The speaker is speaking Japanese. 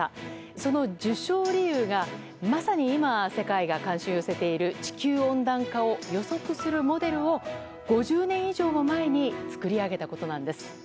その受賞理由が、まさに今世界が関心を寄せている地球温暖化を予測するモデルを５０年以上も前に作り上げたことなんです。